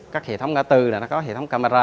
các hệ thống ngã tư có hệ thống camera